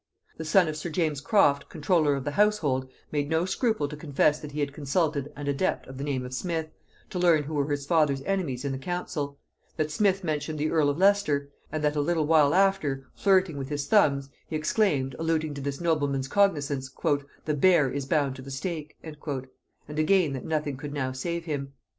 The son of sir James Croft comptroller of the household, made no scruple to confess that he had consulted an adept of the name of Smith, to learn who were his father's enemies in the council; that Smith mentioned the earl of Leicester; and that a little while after, flirting with his thumbs, he exclaimed, alluding to this nobleman's cognisance, "The bear is bound to the stake;" and again, that nothing could now save him.